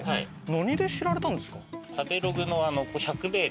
何で知られたんですか？